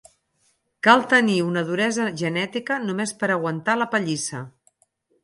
Cal tenir una duresa genètica només per aguantar la pallissa.